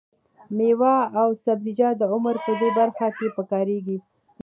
مېوه او سبزیجات د عمر په دې برخه کې پکارېږي.